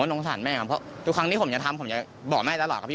สงสารแม่ครับเพราะทุกครั้งที่ผมจะทำผมจะบอกแม่ตลอดครับพี่